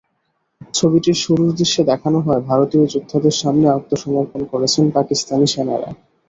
ছবিটির শুরুর দৃশ্যে দেখানো হয়, ভারতীয় যোদ্ধাদের সামনে আত্মসমর্পণ করছেন পাকিস্তানি সেনারা।